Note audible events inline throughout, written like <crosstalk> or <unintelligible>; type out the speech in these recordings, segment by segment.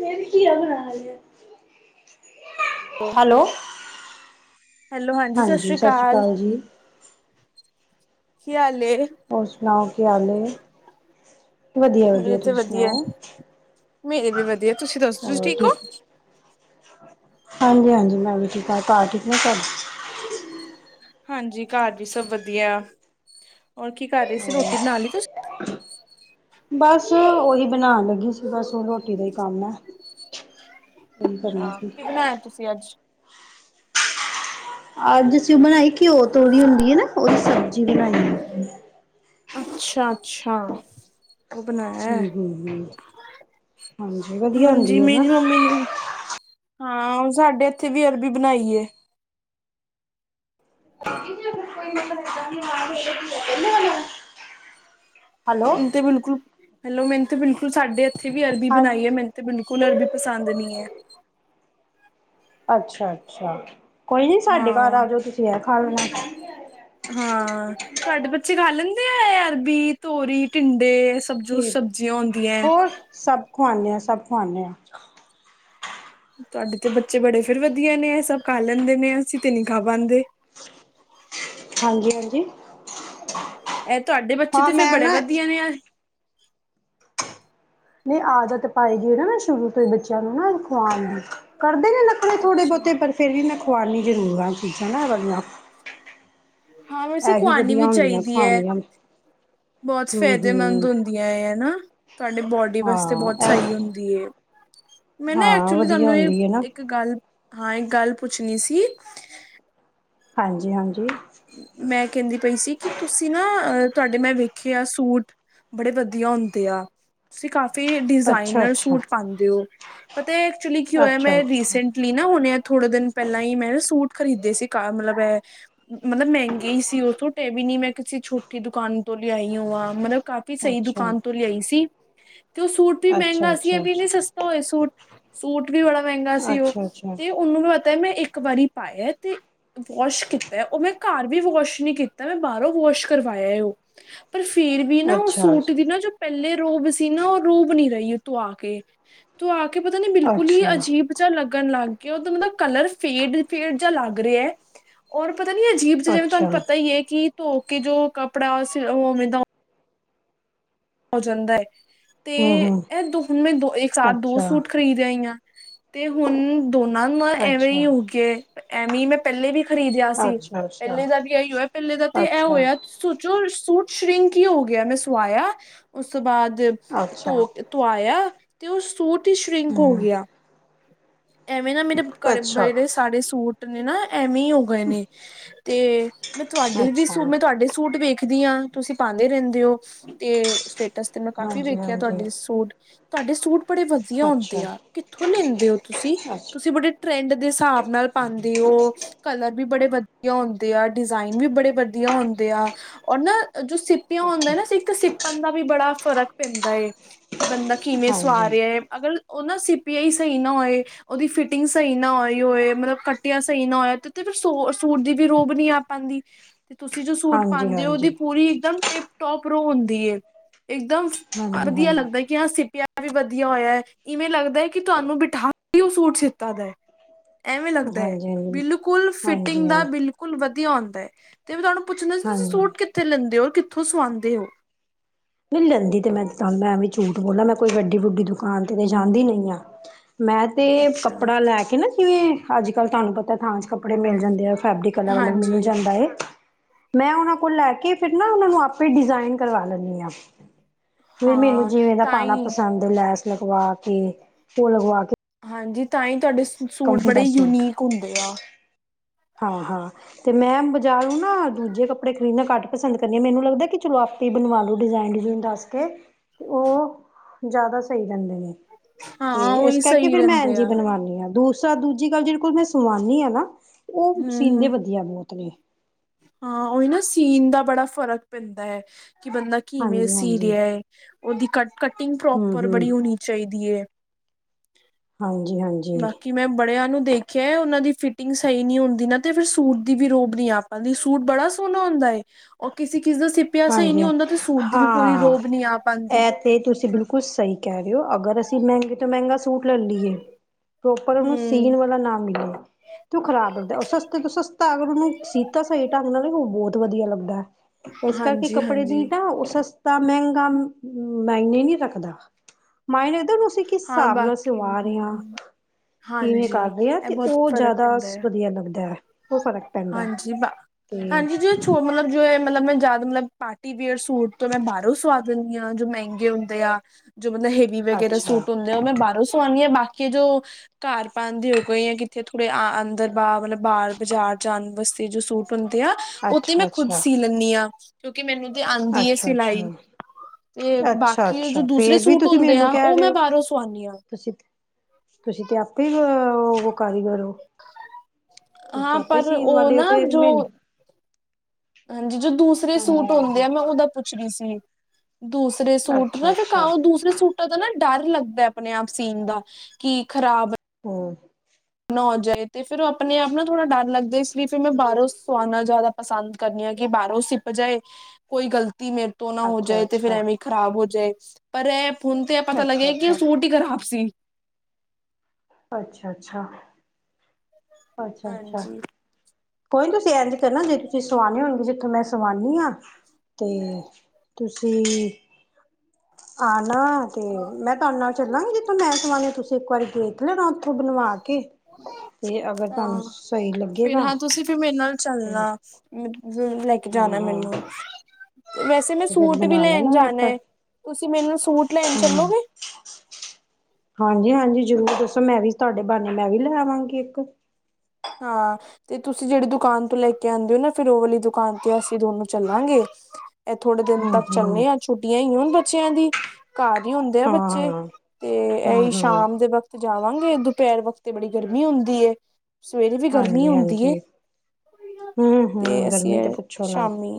ਮੈਂ ਵੀ ਘਿਆ ਬਣਾਇਆ ਸੀ। ਹੈਲੋ! ਹਾਂਜੀ, ਸਤਿ ਸ਼੍ਰੀ ਅਕਾਲ ਜੀ! ਕੀ ਹਾਲ ਏ? ਹੋਰ ਸੁਣਾਓ, ਕੀ ਹਾਲ ਏ? ਮੇਰੇ ਵਧੀਆ-ਵਧੀਆ, ਤੇ ਤੁਸੀਂ ਵਧੀਆ ਸੁਣਾਓ? ਮੇਰੇ ਵੀ ਵਧੀਆ! ਤੁਸੀਂ ਦੱਸੋ ਤੁਸੀਂ ਹੋਰ ਹੋ ਠੀਕ? ਹਾਂਜੀ-ਹਾਂਜੀ, ਮੈਂ ਵੀ ਠੀਕ ਹਾਂ! ਘਰ ਠੀਕ ਨੇ ਸਭ? ਹਾਂਜੀ, ਘਰ ਵੀ ਸਭ ਵਧੀਆ! ਹੋਰ ਕੀ ਕਰ ਰਹੇ ਸੀ? ਰੋਟੀ ਬਣਾ ਲਈ ਤੁਸੀਂ? ਬੱਸ ਓਹੀ ਬਣਾਉਣ ਲੱਗੀ ਸੀ, ਬਸ ਹੁਣ ਰੋਟੀ ਦਾ ਹੀ ਕੰਮ ਹੈ। ਅੱਛਾ, ਕੀ ਬਣਾਇਆ ਤੁਸੀਂ ਅੱਜ? ਅੱਜ ਅਸੀਂ ਓ ਬਣਾਈ ਘਿਓ ਤੋਰੀ ਹੁੰਦੀ ਹੈ ਨਾ, ਉਹਦੀ ਸਬਜ਼ੀ ਬਣਾਈ। ਅੱਛਾ, ਅੱਛਾ। ਉਹ ਬਣਾਇਆ ਹਮ, ਹਮ, ਹਮ ਹਾਂਜੀ, ਵਧੀਆ ਹੁੰਦੀ ਓ ਨਾ! ਬਿਲਕੁੱਲ! ਹਾਂ, ਸਾਡੇ ਇੱਥੇ ਵੀ ਅਰਬੀ ਬਣਾਈ ਏ। ੂੰ <unintelligible> ਮੈਨੂੰ ਤੇ ਬਿਲਕੁੱਲ ਹੈਲੋ! ਮੈਨੂੰ ਤੇ ਬਿਲਕੁੱਲ ਸਾਡੇ ਇੱਥੇ ਵੀ ਅਰਬੀ ਹਾਂ ਬਣਾਈ ਹੈ, ਮੈਨ ਬਿਲਕੁੱਲ ਅਰਬੀ ਪਸੰਦ ਨਹੀਂ ਹੈ। ਅੱਛਾ ਅੱਛਾ, ਕੋਈ ਨੀ ਸਾਡੇ ਘਰ ਹਾਂ ਆ ਜਾਓ ਤੁਸੀਂ, ਐ ਖਾ ਲੈਣਾ। ਹਾਂ, ਤੁਹਾਡੇ ਬੱਚੇ ਖਾ ਲੈਂਦੇ ਆ ਐ- ਅਰਬੀ, ਤੋਰੀ, ਟਿੰਡੇ? ਸਭ ਜੋ ਸਬਜ਼ੀਆਂ ਹੁੰਦੀਆਂ। ਹੋਰ ਸਭ ਖਵਾਣੇ ਹਾਂ, ਸਭ ਖਵਾਣੇ ਹਾਂ। ਤੁਹਾਡੇ ਤੇ ਬੱਚੇ ਬੜੇ ਫਿਰ ਵਧੀਆ ਨੇ, ਇਹ ਸਭ ਖਾ ਲੈਂਦੇ ਨੇ! ਅਸੀਂ ਤੇ ਨਹੀਂ ਖਾ ਪਾਂਦੇ। ਹਾਂਜੀ, ਹਾਂਜੀ। ਇਹ ਤੁਹਾਡੇ ਬੱਚੇ ਹਾਂ ਤੇ ਫੇਰ ਮੈਂ ਬੜੇ ਨਾ ਵਧੀਆ ਨੇ, ਯਾਰ! ਨਹੀਂ, ਆਦਤ ਪਾਈਦੀ ਨਾ ਸ਼ੁਰੂ ਤੋਂ ਹੀ ਬੱਚਿਆਂ ਨੂੰ ਨਾ ਖੁਆਣ ਦੀ, ਕਰਦੇ ਨੇ ਨਖ ਰੇ ਅੱਛਾ ਥੋੜੇ-ਬਹੁਤੇ, ਪਰ ਫਿਰ ਵੀ ਮੈਂ ਖੁਆਉਣੀ ਜ਼ਰੂਰ ਆ ਚੀਜ਼ਾਂ ਨਾ ਐ ਵਾਲੀਆਂ। ਹਾਂ, ਵੈਸੇ ਇਹੀ ਖੁਆਣੀ ਵਧੀਆ ਵੀ ਹੁੰਦੀਆਂ ਚਾਹੀਦੀ ਹੈ। ਖਾਣੀਆਂ ਬਹੁਤ ਹਮ ਫਾਇਦੇ ਮੰਦ ਹਮ ਹੁੰਦੀਆਂ, ਹਨਾ? ਤੁਹਾਡੇ ਬੋਡੀ ਵਾਸਤੇ ਬਹੁਤ ਹਾਂ ਸਹੀ ਇਹ ਹੁੰਦੀ। ਮੈਂ ਨਾ ਹਾਂ ਐਕਚੁਲੀ ਵਧੀਆ ਤੁਹਾਨੂੰ ਇਹ ਹੁੰਦੀ ਹੈ ਨਾ ਇੱਕ ਗੱਲ, ਹਾਂ, ਇੱਕ ਗੱਲ ਪੁੱਛਣੀ ਸੀ? ਹਾਂਜੀ, ਹਾਂਜੀ। ਮੈਂ ਕਹਿੰਦੀ ਪਈ ਸੀ ਕਿ ਤੁਸੀਂ ਨਾ ਅ ਤੁਹਾਡੇ ਮੈਂ ਵੇਖੇ ਆ ਸੂਟ ਬੜੇ ਵਧੀਆ ਹੁੰਦੇ ਆ। ਤੁਸੀਂ ਕਾਫੀ ਅੱਛਾ ਡਿਜ਼ਾਇਨਰ ਅੱਛਾ ਸੂਟ ਪਾਉਂਦੇ ਹੋ! ਪਤਾ, ਐਕਚੁਲੀ ਕੀ ਹੋਇਆ? ਅੱਛਾ ਮੈਂ ਅੱਛਾ ਰੀਸੈਂਟ ਲੀ ਨਾ ਹਣੇ ਆ ਥੋੜੇ ਦਿਨ ਪਹਿਲਾਂ ਹੀ ਮੈਂ ਨਾ ਸੂਟ ਖਰੀਦੇ ਸੀ, ਕਾਰ ਮਤਲੱਬ ਇਹ ਮਤਲੱਬ ਮਹਿੰਗੇ ਹੀ ਸੀ ਉਥੋਂ, ਤੇ ਇਹ ਵੀ ਨੀ ਮੈਂ ਕਿਸੇ ਛੋਟੀ ਦੁਕਾਨ ਤੋਂ ਲਿਆਈ ਹੋਵਾ, ਮਤਲਬ ਕਾਫੀ ਵੀ ਸਹੀ ਅੱਛਾ ਦੁਕਾਨ ਤੋਂ ਲਿਆਈ ਸੀ। ਤੇ ਉਹ ਸੂਟ ਵੀ ਅੱਛਾ ਮਹਿੰਗਾ ਸੀ, ਇਹ ਅੱਛਾ ਵੀ ਅੱਛਾ ਨਹੀਂ ਸਸਤਾ ਹੋਏ! ਸੂਟ, ਸੂਟ ਵੀ ਬੜਾ ਮਹਿੰਗਾ ਸੀ ਉਹ ਅੱਛਾ ਅੱਛਾ ਤੇ ਉਹਨੂੰ ਪਤਾ ਹੈ, ਮੈਂ ਇੱਕ ਵਾਰੀ ਪਾਇਆ, ਤੇ ਵਾਸ਼ ਕਿਤਾ। ਤਾ ਉਹ ਮੈਂ ਘਰ ਵੀ ਵਾਸ਼ ਨੀ ਕੀਤਾ, ਮੈਂ ਬਾਹਰੋਂ ਵਾਸ਼ ਕਰਵਾਇਆ ਉਹ। ਪਰ ਫੇਰ ਵੀ ਨਾ ਔ ਅੱਛਾ ਸੂਟ ਦੀ ਨਾ ਜੋ ਪੈਲੇ ਰੋਬ ਸੀ ਨਾ ਔ ਰੋਬ ਨੀ ਰਈ। ਧੋਆ ਕੇ, ਧੋਆ ਕੇ ਪਤਾ ਨੀ ਬਿਲਕੁੱਲ ਹੀ ਅੱਛਾ ਅਜੀਬ ਜਾ ਲੱਗਨ ਲੱਗ ਗਿਆ ਔਦਾ ਮ ਨਾ ਕਲਰ ਫੇਡ- ਫੇਡ ਜਾ ਲੱਗ ਰੇਯਾ ਔਰ ਪਤਾ ਨੀ ਅਜੀਬ ਜ ਜਿਵੇਂ ਅੱਛਾ ਤਾਨੂੰ ਪਤਾ ਈ ਹੈ ਕਿ ਧੋ ਕੇ ਜੋ ਕੱਪੜਾ ਸਿਲ ਔਵੇਂ ਦਾ ਔ ਜਾਂਦੈ ਤੇ ਹੂੰ ਹੂੰ ਐਹ ਦੋ ਹੁਨੇ ਦੋ ਇੱਕ ਸਾਥ ਦੋ ਅੱਛਾ ਸੂਟ ਖਰੀਦ ਆਈ ਆ। ਤੇ ਹੁਣ ਦੋਨਾਂ ਨਾ ਐਵੇਂ ਅੱਛਾ ਈ ਹੋਗੇਐ। ਐਵੇਂ ਨਾ ਪੈਲੇ ਵੀ ਖ਼ਰੀਦਿਆ ਸੀ। ਅੱਛਾ ਅੱਛਾ ਪੈਲੇ ਦਾ ਵੀ ਐਈ ਹੋਇਆ ਪੈਲੇ ਦਾ ਤੇ ਐ ਅੱਛਾ ਹੋਇਆ। ਸੋਚੋ ਸੂੱਟ ਸ਼ਿ੍ੰਕ ਈ ਹੋ ਗੇਯਾ ਮੈਂ ਸਵਾਇਆ ਉਸ ਤੋਂ ਬਾਦ ਅੱਛਾ ਧੋ ਕੇ ਧੁਆਇਆ ਤੇ ਔਹ ਸੂਟ ਈ ਸ਼ਿ੍ੰਕ ਹੋ ਹੂੰ ਗਿਯਾ। ਐਵੇਂ ਨਾ ਮੇਰੇ ਘਰੇ ਅੱਛਾ ਬੜੇ ਸਾਰੇ ਸੂਟ ਨੇ ਨਾ, ਐਵੇਂ ਈ ਹੋ ਗੇ ਨੇ ਤੇ ਮੈਂ ਤੁਆਡੇ ਵੀ ਅੱਛਾ ਸੂ-ਮੈਂ ਤੁਆਡੇ ਸੂਟ ਵੇਖਦੀ ਆਂ ਤੁਸੀਂ ਪਾਦੇ ਰੈਂਦੇ ਔ ਤੇ ਸਟੇਟਸ ਤੇ ਮੈਂ ਕਾਫੀ ਹਾਂਜੀ ਵੇਖਯਾ ਤੁ ਹਾਂਜੀ ਆਡੀ ਸੂਟ। ਤੁਆਡੇ ਸੂਟ ਬੜੇ ਵਧੀਆ ਹੁੰਦੇ ਅੱਛਾ ਆ, ਕਿੱਥੋਂ ਲੈਂਦੇ ਔ ਤੁਸੀਂ, ਅੱਛਾ ਤੁਸੀ, ਟਿਬਰਿ ਟਰੈਂਡ ਦੇ ਸਾਬ ਨਾਲ ਪਾਂਦੇ ਔ ਕਲਰ ਵੀ ਬੜੇ ਵਧੀਆ ਹੁੰਦੇ ਆ, ਡਿਜ਼ਾਇਨ ਵੀ ਬੜੇ ਵਧੀਆ ਹੁੰਦੇ ਆ, ਔਰ ਨਾ ਜੋ ਸਿਪ ਪਿਔਂਨ ਓਕੇ ਹੁੰਦਾ ਨਾ, ਸਿੱਪਨ ਦਾ ਵੀ ਬੜਾ ਫ਼ਰਕ ਪੈਂਦਾ ਏ। ਕਿ ਬੰਦਾ ਕਿਵੇਂ ਸਵਾ ਹਾਂਜੀ ਰਿਆ ਏ, ਅਗਰ ਔਹ ਨਾ ਸਿਪਯਾ ਈ ਸਈ ਨਾ ਹੋਏ ਔਦੀ ਫਿਟਿੰਗ ਸਈ ਨਾ ਹੋਈ ਹੋਏ, ਮਤਲਬ ਕੱਟੀਆਂ ਸਈ ਨਾ ਹੋਏ, ਤੇ ਸੌਰ ਸੂਟ ਦੀ ਵੀ ਰੋਬ ਨੀ ਅਪ- ਪਾਂਦੀ ਤੇ ਤੁਸੀਂ ਜੋ ਸੂਟ ਹਾਂਜੀ ਪਾਦੇ ਔ ਔਦੀ ਹਾਂਜੀ ਪੂਰੀ ਇੱਕਦਮ ਟਿਪ- ਟੋਪ ਰੋ ਹੌਂਦੀਏ। ਇਕਦਮ ਫ। ਹਾਂਜੀ ਅਰਦਿਯਾ ਹਾਂਜੀ ਲੱਗਦਾ ਈ। ਕਯਾ ਸਿਪਿਆ ਵੀ ਵਧੀਆ ਹੋਯੈ ਐ, ਇਵੇਂ ਲੱਗਦਾ ਐ ਕਿ ਤੁਹਾਨੂੰ ਬਿਠਾ ਕੇਹੀ ਔ ਸੂਟ ਸਿੱਤਾ ਦੈ ਐਵੇਂ ਲੱਗਦਾ ਏ, ਹਾਂਜੀ ਬਿਲਕੁਲ ਹਾਂਜੀ ਹਾਂਜੀ ਫਿਟਿੰਗ ਦਾ ਬਿਲਕੁਲ ਵਧੀਆ ਹੌਂਦਾ ਐ। ਤੇ ਮੈਂ ਤਾਨੂੰ ਪੁੱਛਨਾ ਸੀ, ਤੁਸੀਂ ਹਾਂਜੀ ਸੂਟ ਕਿੱਥੇ ਲੈਂਦੇ ਔ ਕਿਥੋਂ ਸਵਾਂਦੇ ਔ <unintelligible> ਨੀ ਲੈਂਦੀ ਤੇ ਮੈਂ ਤਾਂ ਏਵੇ ਝੂਠ ਬੋਲਾਂ ਮੈਂ ਕੋਈ ਵੱਡੀ-ਵੁੱਡੀ ਦੁਕਾਨ ਤੇ ਤੇ ਜਾਂਦੀ ਨੀ ਆ ਮੈਂ ਤੇ ਅੱਛਾ ਕੱਪੜਾ ਲੈਕੇ ਨਾ, ਜਿਵੇਂ ਆੱਜ-ਕਾੱਲ ਤਾਨੂੰ ਪਤਾ ਥਾਨ ਚ ਕੱਪੜੇ ਮਿਲ ਜਾਂਦੇ ਆ, ਫੈਬਰਿਕ ਅਲਗ-ਅਲਗ ਮਿਲ ਹਾਂਜੀ ਜਾਂਦਾ ਏ। ਮੈਂ ਔਨਾਂ ਕੋਲ ਲੈਕੇ, ਫੇਰ ਨਾ ਔਨਾ ਨੂੰ ਆਪੇ ਈ ਡਿਜ਼ਾਇਨ ਕਰਵਾ ਲੈਂਨੀ ਆ। ਤੇ ਮੈਨੂੰ ਹਾਂ ਜਿਵੇਂ ਦਾ ਤਾਂ ਪਾਨਾ ਹੀ ਪਸੰਦ ਏ, ਲੈਸ ਲਗਵਾ ਕੇ ਤੇ ਔ ਲਗਵਾ ਕੇ ਹਾਂਜੀ, ਤਾਂਈ ਤੁਆਡੇ ਸੂ ਸੂਟ ਕੰਮੀ ਬੜੇ ਦਾ ਸੂਟ ਯੂਨੀਕ ਹੁੰਦੇ ਆ। ਹਾਂ- ਹਾਂ ਤੇ ਮੈਂ ਬਜ਼ਾਰੋ ਨਾ ਦੂਜੇ ਕੱਪੜੇ ਖਰੀਦਨੇ ਘੱਟ ਪਸੰਦ ਕਰਨੀ ਆ। ਮੈਨੂੰ ਲੱਗਦਾ ਕਿ ਚਲੋ ਆਪ ਤੇ ਬਨਵਾ ਲੋ ਡਿਜ਼ਾਇਨ ਡਿਜ਼ਾਇਨ ਦੱਸ ਕੇ, ਔਹ ਜਾਦਾ ਸਈ ਰੈਂਦੇ ਨੇ। ਤੇ ਹਾਂ ਇਸ ਉਹੀ ਕਰਕੇ, ਸਹੀ ਫੇਰ ਮੈਂ ਰਹਿੰਦੇ ਏਜਈ ਆ ਬਣਵਾਨੀ ਆਂ ਦੂ ਚਾ ਦੂਜੀ ਗੱਲ ਜਿਦੇ ਕੋਲ ਮੈਂ ਸੁਭਾਨੀ ਆ ਨਾ, ਔਹ ਹਮ ਸੀਨਦੇ ਹਮ ਵਧੀਆ ਨੇ ਬੋਤ ਨੇ। ਹਾਂ ਔਈ ਨਾ ਸੀਨ ਦਾ ਬੜਾ ਫ਼ਰਕ ਪੈਂਦੈ ਏ, ਕਿ ਬੰਦਾ ਕਿਵੇਂ ਹਾਂਜੀ ਸੀ ਹਾਂਜੀ ਰੇਆ ਏ। ਔਦੀ ਕ ਕਟਿੰਗ ਹੂੰ ਪ੍ਰੋਪਰ ਹੂੰ ਬੜੀ ਹੋਨੀ ਚਈਦੀ ਏ। ਹਾਂਜੀ-ਹਾਂਜੀ। ਕਿ ਮੈਂ ਬੜਿਆਂ ਨੂੰ ਦੇਖਯੈ ਔਨਾਂ ਦੀ ਫਿਟਿੰਗ ਸਈ ਨੀ ਹੋੰਦੀ ਨਾ, ਤੇ ਫਿਰ ਸੂਟ ਦੀ ਵੀ ਰੋਬ ਨੀ ਆ <unintelligible> ਸੂਟ ਬੜਾ ਸੋਨਾ ਹੋਂਦਾ ਏ, ਔ ਕਿਸੀ-ਕਿਸ ਦੇ ਸਿਪ ਪਯਾ ਸਈ ਨੀ ਹਾਂਜੀ ਹੁੰਦਾ ਤੇ ਸੂਟ ਦੀ ਵੀ ਪੂਰੀ ਹਾਂ ਰੋਬ ਨੀ ਆ ਪਾਂਦੀ। ਇਹ ਤੇ ਤੁਸੀਂ ਬਿਲਕੁਲ ਸਈ ਕੈ ਰੇ ਔ, ਅਗਰ ਅਸੀਂ ਮੈਂਹਗੇ ਤੋਂ ਮੈਂਗਾ ਸੂਟ ਲਲੀਏ ਪ੍ਰੋਪਰ, ਔਨੂੰ ਹਮ ਸੀਨ ਵਾਲਾ ਨਾਂ ਮਿਲੇ ਤੇ ਉ ਖਰਾਬ ਹੋਂਦੈ, ਔ ਸਸਤੇ ਤੋਂ ਸਸਤਾ ਅਗਰ ਔਨੂੰ ਸੀਤਾ ਸਹੀ ਢੰਗ ਨਾਲ ਔ ਬੌਤ ਵਧੀਆ ਲੱਗਦੈ। ਏਸ ਕਰਕੇ ਹਾਂਜੀ ਕੱਪੜੇ ਹਾਂਜੀ ਦੀ ਤਾ ਐ ਸਸ ਤਾਂ ਮੈਂਗਾ ਮਾਇਨੇ ਨੀ ਰੱਖਦਾ, ਮਾਇਨੇ ਤੇ ਉ <unintelligible> ਚਿਕਿਸ ਹਾਂ ਸਾਬ ਨਾਲ ਬਾਕੀ ਹਮ ਸਿਵਾ ਰੇਆਂ। ਹਮ ਕਿਵੇਂ ਹਾਂਜੀ ਕਰ ਰਹਿ ਇਹ ਤੇ ਬਹੁਤ ਉਹ ਫ਼ਰਕ ਜ਼ਿਆਦਾ ਪੈਂਦਾ ਸ ਹੈ ਵਧੀਆ ਲੱਗਦਾ ਏ, ਉਹ ਫ਼ਰਕ ਪੈਂਦਾ। ਹਾਂਜੀ ਬ ਤੇ ਹਾਂਜੀ ਜੀ ਛੋ ਮਤਲਬ ਜੇ ਮਤਲਬ ਮੈਂ ਜ਼ਿਆ ਮਤਲਬ ਪਾਰਟੀ ਵੇਅਰ ਸੂਟ ਤੇ ਮੈਂ ਬਾਹਰੋਂ ਸਵਾ ਦਿੰਦੀ ਆ, ਜੋ ਮਹਿੰਗੇ ਹੁੰਦੇ ਆ, ਜੋ ਮਤਲਬ ਹੈਵੀ ਜਿਹੜੇ ਅੱਛਾ ਸੂਟ ਹੁੰਦੇ ਉਹਨੂੰ ਮੈਂ ਬਾਰੋ ਸਵਾਨੀਆਂ, ਬਾਕੀ ਜੋ ਘਾਰ ਪਾਨਦੇ ਹੋ ਕੋਈ, ਕਿੱਥੇ ਥੋੜੇ ਅ-ਅੰਦਰ-ਬਾਹਰ ਬਾਹ ਬਾਜ਼ਾਰ ਜਾਨ ਵਸਤੇ ਜੋ ਸੂਟ ਹੁੰਦੇ ਆ, ਉਤੇ ਅੱਛਾ ਮੈਂ ਖੁਦ ਅੱਛਾ ਸੀ ਲੈਂਨੀ ਆ। ਕਿਉਂਕਿ ਮੈਨੂੰ ਤੇ ਆਦੀ ਏ ਅੱਛਾ ਸਿਲਾਈ, ਅੱਛਾ ਤੇ ਬਾਕੀ ਜੋ ਦੂਸਰੇ ਸੂਟ ਹੁੰਦੇ ਆ ਉਹ ਮੈਂ ਲੇ ਬਾਹਰੋਂ ਸਵਾਉਂਦੀ ਹਾਂ ਤੁਸੀਂ ਤੇ, ਤੁਸੀਂ ਤੇ ਆਪੇ ਓ ਵਾਲੇ ਕਾਰੀਗਰ ਓ। ਹਾਂ, ਪਰ ਓ ਵਾਲੇ ਨਾ ਹੋ ਤੇ ਜੋ ਮੈਨੂੰ ਹਾਂਜੀ, ਜੋ ਦੂਸਰੇ ਸੂਟ ਹਾਂਜੀ ਹੁੰਦੇ ਹਾਂਜੀ ਏ ਮੈਂ ਉਹਦਾ ਪੁੱਛ ਰਹੀ ਸੀ। ਦੂਸ ਸਰੇ ਸੂਟ ਅੱਛਾ ਨਾ ਅੱਛਾ ਫੇਰ ਦੂਸਰੇ ਸੂਟਾਂ ਦਾ ਨਾ ਡਰ ਲੱਗਦਾ, ਆਪਣੇ ਆਪ ਸੀਨ ਦਾ, ਕੀ ਖ਼ਰਾਬ ਹੂੰ। ਨਾ ਹੋ ਜਾਏ, ਤੇ ਫੇਰ ਉਹ ਆਪਨੇ-ਆਪਨਾ ਥੋੜ੍ਹਾ ਡਰ ਲੱਗਦਾ, ਇਸ ਲਈ ਫੇਰ ਮੈਂ ਬਾਹਰੋਂ ਸਆਉਨਾ ਜ਼ਿਆਦਾ ਪਸੰਦ ਕਰਨੀ ਆ, ਕਿ ਬਾਹਰੋਂ ਸਿਪ ਜਾਏ ਕੋਈ ਗ਼ਲਤੀ ਮੇਰੇ ਤੋ ਤੋ ਨਾ ਹੋ ਅੱਛਾ ਜਾਏ, ਤੇ ਫੇਰ ਅੱਛਾ ਐਵੇਂ ਖ਼ਰਾਬ ਹੋ ਜਾਏ, ਪਰ ਏਹ ਹੁਨ ਤੇ ਇਹ ਪਤਾ ਅੱਛਾ ਲੱਗਿਆ, ਕੀ ਅੱਛਾ ਸੂਟ ਹੀ ਖਰਾਬ ਸੀ। ਅੱਛਾ ਅੱਛਾ। ਅੱਛਾ ਅੱਛਾ। ਹਾਂਜੀ ਕੋਈ ਨੀ ਤੁਸੀਂ ਇੰਜ ਕਰੋ ਜੇ ਤੁਸੀਂ ਸਵਾਣੇ ਹੋਣਗੇ ਜਿੱਥੋਂ ਮੈਂ ਸਵਾਣੀ ਆ ਤੇ ਤੁਸੀਂ ਆ ਨਾ ਤੇ ਮੈਂ ਤੁਹਾਡੇ ਨਾਲ ਚੱਲਾਂਗੀ ਜਿੱਥੋਂ ਮੈਂ ਸੁਆਨੀ ਤੁਸੀਂ ਇੱਕ ਵਾਰੀ ਗੇ ਹੈਨਾ ਬੀ ਉੱਥੋਂ ਬਣਵਾ ਕੇ ਤੇ ਅਗਰ ਤੁਹਾਨੂੰ ਸਹੀ ਫਿਰ ਲੱਗੇਗਾ ਹਾਂ ਤੁਸੀਂ ਤੁਸੀ ਮੇਰੇ ਨਾਲ ਚੱਲਣਾ ਤੇ ਮ ਫੇਰ ਲੈ ਕੇ ਹਾਂ ਜਾਣਾ ਹਾਂ ਮੈਨੂੰ। ਵੈਸੇ ਮੈਂ ਤੇ ਫਿਰ ਸੂਟ ਵੀ ਬਣਾ ਲੈਣ ਲੈਣਾ ਜਾਣਾ ਆਪਾਂ ਐ, ਤੁਸੀਂ ਮੈਨੂੰ ਸੂਟ ਲੈਣ ਹੂੰ ਚੱਲੋਗੇ? ਹਾਂਜੀ ਹਾਂਜੀ ਜ਼ਰੂਰ ਦੱਸੋ ਮੈਂ ਵੀ ਤੁਹਾਡੇ ਬਾਨੇ ਮੈਂ ਵੀ ਲੈ ਆਵਾਂਗੀ ਇੱਕ। ਹਾਂ। ਤੇ ਤੁਸੀਂ ਜਿਹੜੀ ਦੁਕਾਨ ਤੋਂ ਲੈ ਕੇ ਆਂਦੇ ਓ ਨਾ ਫਿਰ ਉਹ ਵਾਲੀ ਦੁਕਾਨ ਤੇ ਅਸੀਂ ਦੋਨੋ ਚੱਲਾਂਗੇ। ਇਹ ਥੋੜੇ ਦਿਨ ਹੂੰ ਤੱਕ ਹੂੰ ਚੱਲੇ ਆ ਛੁੱਟੀਆਂ ਈਐ ਹੁਣ ਬੱਚਿਆਂ ਦੀ। ਘਰ ਹੀ ਹੁੰਦੇ ਏ ਹਾਂ ਬੱਚੇ ਹਾਂ, ਤੇ ਹੂੰ ਇਹੀ ਹੂੰ ਸ਼ਾਮ ਦੇ ਵਕਤ ਤੇ ਜਾਵਾਂਗੇ ਦੁਪਹਿਰ ਵਕਤ ਬੜੀ ਗਰਮੀ ਹੁੰਦੀ ਐ। ਸਵੇਰੇ ਵੀ ਗਰਮੀ ਹਾਂਜੀ ਹੁੰਦੀ ਏ ਹਾਂਜੀ ਹੂੰ ਤੇ ਹੂੰ ਅਸੀਂ ਗਰਮੀ ਤੇ ਆਏ ਪੁੱਛੋ ਨਾ ਸ਼ਾਮੀ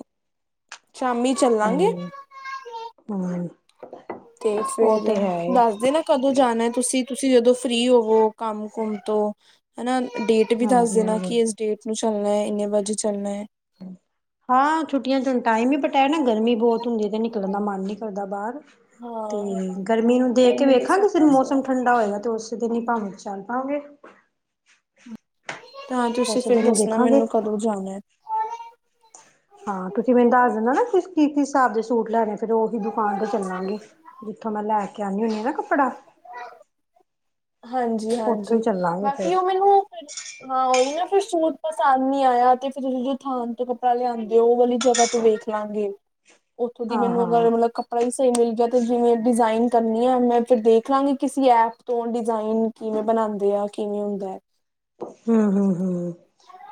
ਸ਼ਾਮੀ ਚੱਲਾਂਗੇ। ਹੂੰ ਹੂੰ ਤੇ ਉਹ ਫੇਰ ਤੇ ਹੈ ਏ ਦੱਸ ਦੇਣਾ। ਕਦੋਂ ਜਾਣਾ ਐ ਤੁਸੀਂ- ਤੁਸੀਂ ਜਦੋਂ ਫ੍ਰਰੀ ਹੋਵੋ ਕੰਮ- ਕੁਮ ਤੋ? ਹਨਾ ਡੇਟ ਵੀ ਦੱਸ ਹਾਂਜੀ ਦੇਣਾ ਹਾਂਜੀ ਕਿ ਇਸ ਡੇਟ ਨੂੰ ਚੱਲਣਾ ਐ ਇੰਨੇ ਵਜੇ ਚੱਲਣਾ ਐ। <inaudible> ਹਾਂ ਛੁੱਟੀਆਂ ਚ ਹੁਣ ਟਾਈਮ ਨੀ ਪਰ ਤਾਇ ਨੀ ਗਰਮੀ ਬਹੁਤ ਹੁੰਦੀ ਤੇ ਨਿਕਲਣ ਦਾ ਮਨ ਨਈ ਕਰਦਾ ਬਾਹਰ। ਤੇ ਹਾਂ ਗਰਮੀ ਨੂੰ ਦੇਖ ਕੇ ਗਰਮੀ ਤੇ ਵੇਖਾਂ ਸਭ ਕਿਸੇ ਨੂੰ ਪਾਸੇ ਮੌਸਮ ਆ। ਠੰਡਾ ਹੋਏਗਾ ਤੇ ਉਸ ਦਿਨ ਹੀ ਭਾਵੇਂ ਚੱਲ ਪਾਗੇ। ਤਾਂ ਤੁਸੀਂ ਫਿਰ ਦੱਸਣਾ ਮੈਨੂੰ ਕਦੋਂ ਜਾਣਾ ਐ। ਹਾਂ ਤੁਸੀਂ ਮੈਨੂੰ ਦੱਸ ਦਿੰਦਾ ਨਾ ਕਿਸ- ਕਿਸ ਹਿਸਾਬ ਦੇ ਸੂਟ ਲੈਣੇ। ਫੇਰ ਉਹੀ ਦੁਕਾਨ ਤੇ ਚੱਲਾਂਗੇ ਜਿੱਥੋਂ ਮੈਂ ਲੈ ਕੇ ਆਂਨੀ ਹੁੰਦੀ ਹ ਨਾ ਕੱਪੜਾ। ਹਾਂਜੀ ਉੱਥੋਂ ਹੀ ਹਾਂਜੀ ਚੱਲਾਂਗੇ ਫਿਰ ਬਾਕੀ ਉਹ ਮੈਨੂੰ ਫੇਰ ਹਾਂ ਉਹੀ ਨਾ ਫਿਰ ਸੂਟ ਪਸੰਦ ਨਈ ਆਇਆ ਤੇ ਫਿਰ ਤੁਸੀਂ ਜੋ ਥਾਨ ਤੋਂ ਕੱਪੜਾ ਲਿਆਦੇ, ਉਹ ਵਾਲੀ ਜਗ੍ਹਾ ਤੋਂ ਵੇਖ ਲਾਂਗੇ, ਉੱਥੋਂ ਦੀ ਹਾਂ ਮੈਨੂੰ ਹਾਂ ਅਗਰ ਮਤਲਬ ਕੱਪੜਾ ਈ ਸਹੀ ਮਿਲ ਗਿਆ ਤੇ ਜਿਵੇਂ ਡਿਜ਼ਾਇਨ ਕਰਨੀ ਆ, ਮੈਂ ਫਿਰ ਦੇਖ ਲਾਂਗੀ ਕਿਸੇ ਐਪ ਤੋਂ ਡਿਜ਼ਾਇਨ ਕਿਵੇਂ ਬਣਾਂਦੇ ਆ ਕਿਵੇਂ ਹੁੰਦਾ ਐਂ। ਹਮ, ਹਮ, ਹ,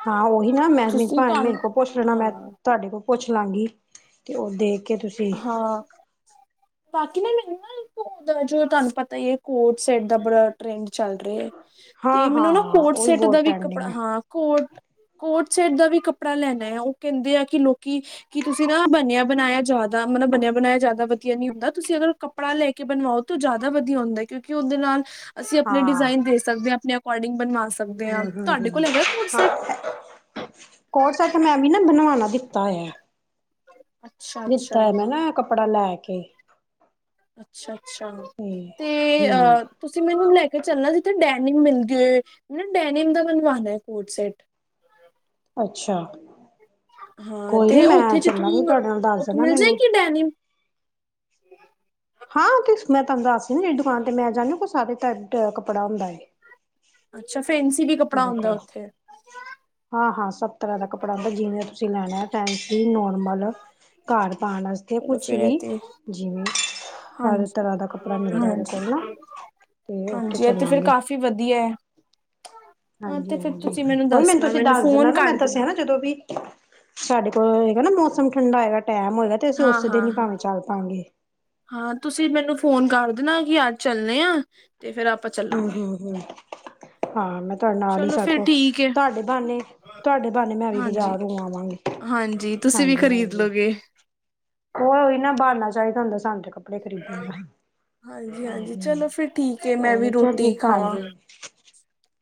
ਹਾਂ ਉਹੀ ਨਾ ਮੈਂ ਤੁਸੀਂ ਭਾ ਤੁਹਾਨੂੰ ਮੇਰੇ ਕੋਲ ਪੁੱਛ ਲੈਣਾ ਮੈਂ ਹਾਂ ਤੋਡੇ ਕੋ ਪੁੱਛ ਲਾਂਗੀ ਤੇ ਉਹ ਦੇਖ ਕੇ ਤੁਸੀਂ ਹਾਂ। ਬਾਕੀ ਨਾ ਮੈਨੂੰ ਨਾ ਜੋ ਤੁਹਾਨੂੰ ਪਤਾ ਈ ਐ ਕੋਟ- ਸੈਟ ਦਾ ਬੜਾ ਟਰੈਂਡ ਚੱਲ ਰਿਹਾ ਐ। ਤੇ ਹਾਂ ਹਾਂ ਮੈਨੂੰ ਨਾ ਹਾਂ ਕੋਟ- ਉਹੀ ਸੈਟ ਬੋਲ ਦਾ ਵੀ ਪੈਂਡਿੰਗ ਕੱਪੜਾ ਹੈ ਹਾਂ ਕੋਟ ਕੋਟ- ਸੈਟ ਦਾ ਵੀ ਕੱਪੜਾ ਲੈਣਾ ਆ, ਉਹ ਕਹਿੰਦੇ ਆ ਕਿ ਲੋਕੀ ਕੀ ਤੁਸੀਂ ਨਾ ਬਣਿਆ ਬਣਾਇਆ ਜਾ ਮਤਲਬ ਬਣਿਆ ਬਣਾਇਆ ਜ਼ਿਆਦਾ ਵਧੀਆ ਨੀ ਹੁੰਦਾ, ਤੁਸੀਂ ਅਗਰ ਕੱਪੜਾ ਲੈ ਕੇ ਬਨਓ ਤਾਂ ਜ਼ਿਆਦਾ ਵਧੀਆ ਹੁੰਦਾ ਕਿਉਂਕਿ ਉਹਦੇ ਨਾਲ ਅਸੀਂ ਆਪਣੇ ਹਾਂ ਡਿਜ਼ਾਇਨ ਦੇ ਸਕਦੇ ਆ, ਆਪਣੇ ਅਕੋਰਡਿੰਗ ਬਣਵਾ ਸਕਦੇ ਆ, ਹਮ ਤੁਹਾਡੇ ਕੋਲ ਹੈਗਾ ਕੋਡ- ਸੈਟ। ਕੋੜਸਟ ਮੈਂ ਵੀ ਨਾ ਬਣਵਾਣਾ ਦਿੱਤਾ ਔਇਆ। ਅੱਛਾ ਅੱਛਾ ਦਿੱਤਾ ਐ ਮੈਂ ਨਾ ਕੱਪੜਾ ਲੈ ਕੇ ਅੱਛਾ, ਅੱਛਾ ਤੇ ਹਮ ਅਹ ਤੁਸੀਂ ਮੈਨੂੰ ਲੈ ਕੇ ਚੱਲਣਾ ਜਿੱਥੇ ਡੈਨਮ ਮਿਲ ਗਏ, ਡੈਨਮ ਦਾ ਮਨਵਾਉਣਾ ਐ ਕੋਟ- ਸੈਟ। ਅੱਛਾ, ਹਾਂ ਕੋਈ ਨੀ ਤੇ ਮੈਂ ਚੱਲਾਂਗੀ ਤੁਹਾਡੇ ਨਾਲ ਦੱਸ ਦੇਣਾ ਮੈਨੂੰ ਡੈ ਨ ਹਾਂ ਤੇ ਮੈਂ ਤੁਹਾਨੂੰ ਦੱਸਦੀ ਨਾ ਜਿੜੀ ਦੁਕਾਨ ਤੇ ਮੈਂ ਜਾਂਦੀ, ਉਤੋ ਸਾਰੇ ਟੈਪ ਦਾ ਕੱਪੜਾ ਹੁੰਦਾ ਏ। ਅੱਛਾ ਫੈਨਸੀ ਵੀ ਕੱਪੜਾ ਹੁੰਦਾ ਕੋਲ ਉੱਥੇ। ਹਾਂ, ਹਾਂ ਸਭ ਤਰ੍ਹਾਂ ਦਾ ਕੱਪੜਾ ਹੁੰਦਾ, ਜਿਵੇਂ ਤੁਸੀਂ ਲੈਣਾ ਏ ਫੇਨਸੀ, ਨੋਨ ਮਤਲਬ, ਘਰ ਪਾਣ ਵਾਸਤੇ ਚਲੋ ਕੁਛ ਫਿਰ ਇਹ ਵੀ, ਤੇ ਜਿਵੇਂ ਹਰ ਹਾਂਜੀ ਤਰ੍ਹਾਂ ਦਾ ਕੱਪੜਾ ਮਿਲਦਾ ਉਹਦੇ ਹਾਂਜੀ ਕੋਲ ਨਾ ਤੇ ਉੱਥੇ ਹਾਂਜੀ ਇਹ ਤੇ ਫਿਰ ਚੱਲਾਂਗੇ। ਕਾਫ਼ੀ ਵਧੀਆ ਐ। ਹਾਂਜੀ-ਹਾਂਜੀ ਕੋਈ ਮੈਨੂੰ ਤੁਸੀਂ ਦੱਸ ਦੇਣਾ ਫੋਨ ਨਾ, ਮੈਂ ਕਰ ਦੇਣਾ ਦੱਸਿਆ ਨਾ ਜਦੋਂ ਵੀ ਸਾਡੇ ਕੋਲ ਹੋਏਗਾ ਨਾ, ਮੌਸਮ ਠੰਡਾ ਹੋਏਗਾ, ਟੈਮ ਹੋਏਗਾ। ਤੇ ਅਸੀਂ ਹਾਂ, ਉਸੇ ਦਿਨ ਹਾਂ, ਹੀ ਹਾਂ ਭਾਵੇਂ ਚੱਲ ਪਾਂਗੇ। ਹਾਂ, ਤੁਸੀਂ ਮੈਨੂੰ ਫੋਨ ਕਰ ਦੇਣਾ, ਕਿ ਅੱਜ ਚੱਲਣੇ ਆ ਤੇ ਫਿਰ ਹਮ, ਚੱਲਾਂਗੇ ਹਮ, ਹਮ, ਹਾਂ, ਮੈਂ ਤੁਹਾਡੇ ਨਾਲ ਹੀ ਚਲੋ ਫਿਰ ਸਰਪ, ਠੀਕ ਹੈ ਤਾਡੇ ਬਹਾਨੇ, ਤੁਹਾਡੇ ਬਹਾਨੇ ਮੈਂ ਵੀ ਹਾਂਜੀ ਬਾਜ਼ਾਰ ਹੋ ਆਵਾਂਗੀ। ਹਾਂਜੀ, ਤੁਸੀਂ ਵੀ ਖ਼ਰੀਦ ਲੋਗੇ‌। ਉਹਹੀ ਨਾ ਬਹਾਨਾ ਚਾਹੀਦਾ ਹੁੰਦਾ, ਸਾਨੂੰ ਤ ਕੱਪ ਕੱਪੜੇ ਖਰੀਦਣ, ਹਾਂਜੀ, ਚਲੋ ਫਿਰ ਠੀਕ ਹੈ ਮੈਂ ਵੀ ਉਹ ਚਲ ਰੋਟੀ ਠੀਕ, ਖਾਵਾਂ ਹਾਂਜੀ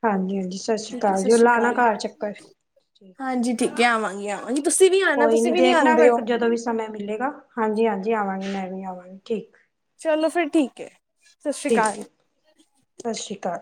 ਹਾਂਜੀ-ਹਾਂਜੀ, ਸਸ਼ਿ ਠੀਕ ਹੈ ਸ਼ੀਕਾਲ ਸਤਿ ਜੀ, ਉਣ ਸ਼੍ਰੀ ਲਾਣਾ ਅਕਾਲ ਘਰ ਚੱਕਰ ਠੀਕ ਹਾਂਜੀ, ਠੀਕ ਐ ਆਵਾਂਗੀ, ਆਵਾਂਗੀ, ਤੁਸੀਂ ਵੀ ਆਣਾ, ਤੁਸੀਂ ਵੀ ਨੀ ਆਂਦੇ ਔ। ਸਮੇਂ ਮਿਲੇਗਾ, ਹਾਂਜੀ-ਹਾਂਜੀ, ਆਵਾਂਗੀ ਮੈਂ ਵੀ ਆਵਾਂਗੀ ਠੀਕ। ਚਲੋ, ਫਿਰ ਠੀਕ ਐ। ਠੀਕ ਐ, ਸਸ਼ਿ ਸ਼ੀਕਾਲ।